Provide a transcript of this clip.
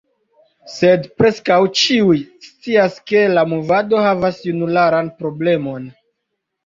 Sed preskaŭ ĉiuj scias ke la movado havas junularan problemon.